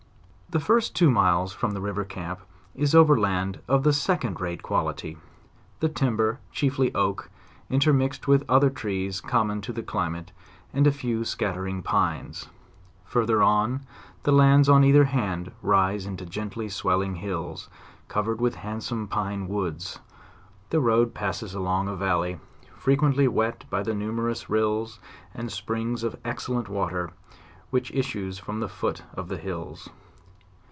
The first two miles from the river camp, is over level land of the second rate quality; the timber chiefly oak, intermixed with other trees common to the climate, and a few scattering pines. Further on, the lands, on either hand rise into gently swell ing hills, covered with handsome pine woods. The road passes along a valley frequently wet by the numerous rills and springs of excellent water which issues from the foot of the hills.